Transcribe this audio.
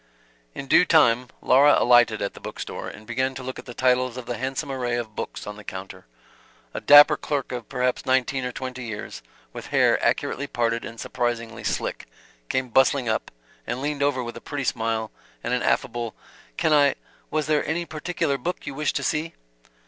In due time Laura alighted at the book store, and began to look at the titles of the handsome array of books on the counter. A dapper clerk of perhaps nineteen or twenty years, with hair accurately parted and surprisingly slick, came bustling up and leaned over with a pretty smile and an affable "Can I was there any particular book you wished to see?"